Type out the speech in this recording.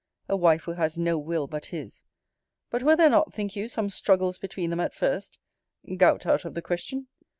A wife who has no will but his! But were there not, think you, some struggles between them at first, gout out of the question?